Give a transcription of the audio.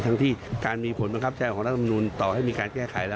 ทั้งที่การมีผลบังคับใช้ของรัฐมนุนต่อให้มีการแก้ไขแล้ว